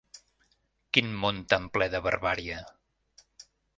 Quin món tan ple de barbàrie!